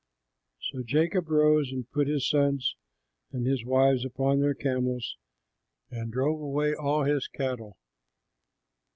So Jacob rose and put his sons and his wives upon the camels and drove away all his cattle.